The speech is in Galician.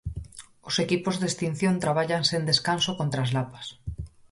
Os equipos de extinción traballan sen descanso contra as lapas.